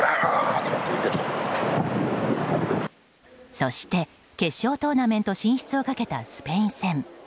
そして決勝トーナメント進出をかけたスペイン戦。